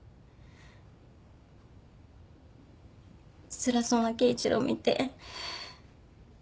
つらそうな圭一郎を見て。